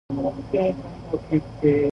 This engine debuted in the Z series.